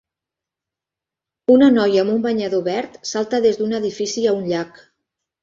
Una noia amb un banyador verd salta des d'un edifici a un llac.